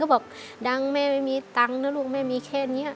บอกดังแม่ไม่มีตังค์นะลูกแม่มีแค่นี้